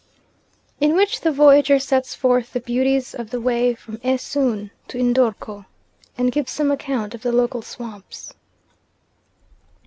In which the Voyager sets forth the beauties of the way from Esoon to N'dorko, and gives some account of the local Swamps.